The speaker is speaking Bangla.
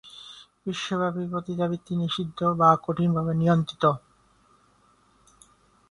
বিশ্বব্যাপী পতিতাবৃত্তি নিষিদ্ধ বা কঠিন ভাবে নিয়ন্ত্রিত।